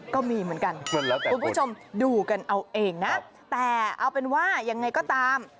ก็มีเหมือนกันคุณผู้ชมดูกันเอาเองนะแต่เอาเป็นว่ายังไงก็ตาม